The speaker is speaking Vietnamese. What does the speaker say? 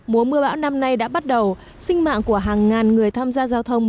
mùa mưa bão năm nay đã bắt đầu sinh mạng của hàng ngàn người tham gia giao thông